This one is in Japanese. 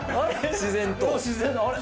自然と？